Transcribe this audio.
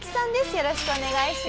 よろしくお願いします。